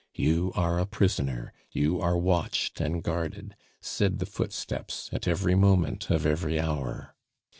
"You are a prisoner! you are watched and guarded!" said the footsteps at every moment of every hour.